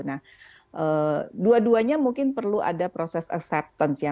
nah dua duanya mungkin perlu ada proses acceptance ya